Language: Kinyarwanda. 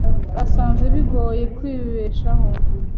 Basanze bigoye kwibeshaho.